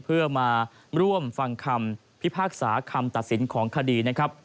เพื่อมาร่วมฟังคำพิพากษาคำตัดสินของคดีนะครับ